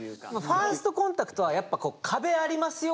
ファーストコンタクトはやっぱ壁ありますよ